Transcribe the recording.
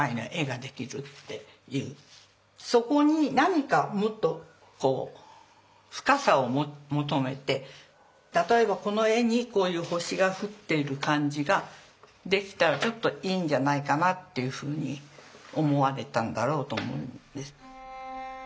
そこに何かもっと深さを求めて例えばこの絵にこういう星が降っている感じができたらちょっといいんじゃないかなっていうふうに思われたんだろうと思うんです。